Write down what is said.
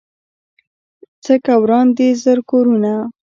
څه که وران دي زر کورونه